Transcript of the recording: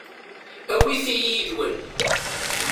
Awit-iyi yid-wen.